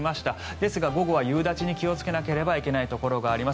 ですが午後は夕立に気をつけなければいけないところがあります。